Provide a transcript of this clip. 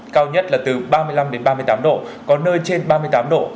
cao nhất là từ ba mươi năm ba mươi tám độ có nơi trên ba mươi tám độ